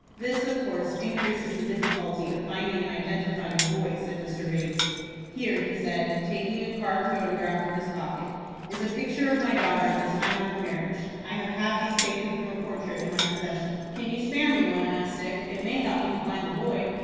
"This of course increases the difficulty of finding and identifying the boy," said Mr. Bates. "Here," he said, taking a card photograph from his pocket, "is a picture of my daughter at the time of her marriage. I have had these taken from a portrait in my possession." "Can you spare me one?" asked Dick. "It may help me to find the boy."